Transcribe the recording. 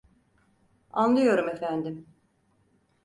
Anlıyorum efendim.